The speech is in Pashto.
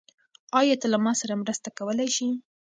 آیا ته له ما سره مرسته کولی شې؟